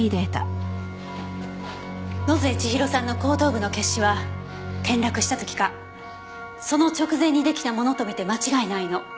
野添千尋さんの後頭部の血腫は転落した時かその直前に出来たものと見て間違いないの。